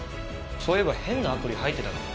そういえば変なアプリ入ってたかも。